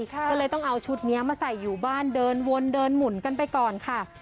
ก็เลยต้องเอาชุดนี้มาใส่อยู่บ้านเดินวนเดินหมุนกันไปก่อนค่ะ